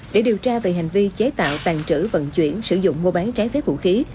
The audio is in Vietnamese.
để điều tra về hành vi chế tạo tàn trữ vận chuyển sử dụng mua bán trái phép vũ khí